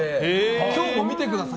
今日も見てください。